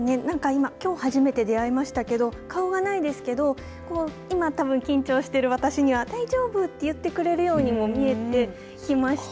今きょう初めて出会いましたけれど顔がないですけど今、たぶん緊張してる私には大丈夫と言ってくれているようにも見えてきまして。